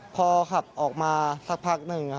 พอขับออกมาสักพักหนึ่ง